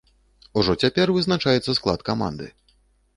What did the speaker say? Ужо цяпер вызначаецца склад каманды.